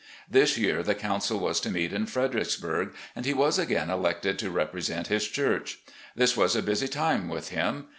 This year the council was to meet in Fredericks burg, and he was again elected to represent his church. This was a busy time with him.